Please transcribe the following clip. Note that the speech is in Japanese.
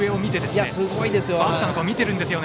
すごいですよ。